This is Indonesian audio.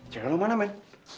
jangan lupa man